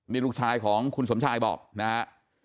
นี่ลูกชายของคุณสมชายบอกนะฮะ